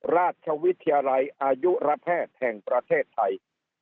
ราชวิทยาลัยอายุระแพทย์แห่งประเทศไทย